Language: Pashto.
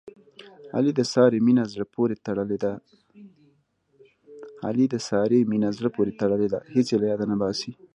علي د سارې مینه زړه پورې تړلې ده. هېڅ یې له یاده نه اوباسي.